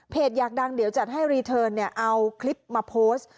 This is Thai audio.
อยากดังเดี๋ยวจัดให้รีเทิร์นเอาคลิปมาโพสต์